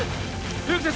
冬木先生